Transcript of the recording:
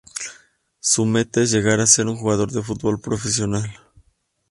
Su meta es llegar a ser un jugador de fútbol profesional.